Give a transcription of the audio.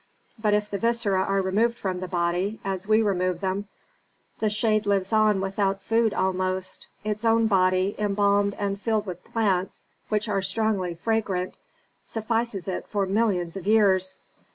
But if the viscera are removed from the body, as we remove them, the shade lives on without food almost: its own body, embalmed and filled with plants which are strongly fragrant, suffices it for millions of years.